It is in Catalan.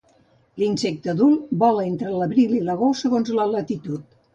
L'insecte adult vola entre l'abril i l'agost segons la latitud.